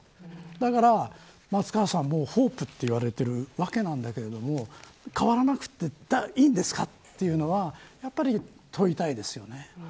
だから、松川さんもホープと言われてるわけなんだけれども変わらなくていいんですかというのはやっぱり問いたいですよね。